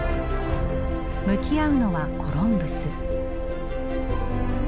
向き合うのはコロンブス。